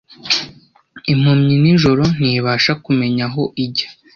impumyi nijoro ntibasha kumenya aho ijya